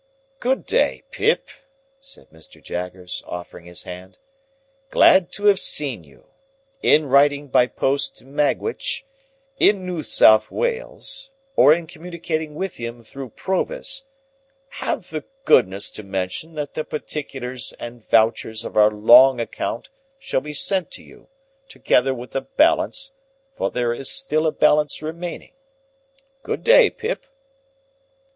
"Good day, Pip," said Mr. Jaggers, offering his hand; "glad to have seen you. In writing by post to Magwitch—in New South Wales—or in communicating with him through Provis, have the goodness to mention that the particulars and vouchers of our long account shall be sent to you, together with the balance; for there is still a balance remaining. Good day, Pip!"